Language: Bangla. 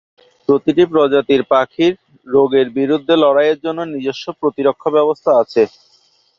প্রতিটি প্রজাতির পাখির রোগের বিরুদ্ধে লড়াইয়ের জন্য নিজস্ব প্রতিরক্ষা ব্যবস্থা আছে।